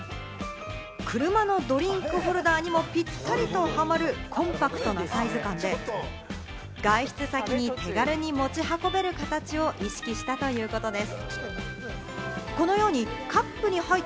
車のドリンクホルダーにもぴったりとハマるコンパクトなサイズ感で、外出先に手軽に持ち運べる形を意識したということです。